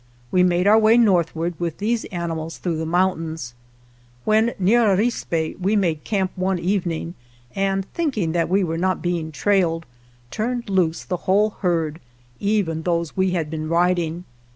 We made our way northward with these animals through the mountains. When near Arispe we made camp one evening, and thinking that we were not heing trailed, turned loose the whole herd, even those we had been riding.